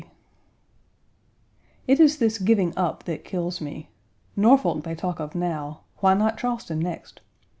............. It is this giving up that kills me. Norfolk they talk of now; why not Charleston next?